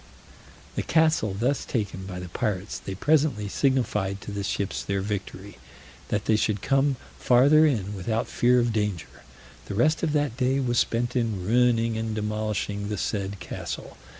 The castle thus taken by the pirates, they presently signified to the ships their victory, that they should come farther in without fear of danger: the rest of that day was spent in ruining and demolishing the said castle.